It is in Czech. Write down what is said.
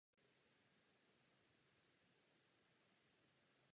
Jsem přesvědčen, že vyvinout tento přístup je stále více nezbytné.